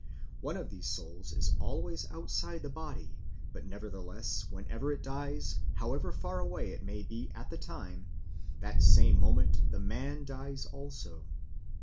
One of these souls is always outside the body, but nevertheless whenever it dies, however far away it may be at the time, that same moment the man dies also.